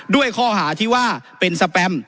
ด้วยข้อหาที่ว่าเป็นสแปม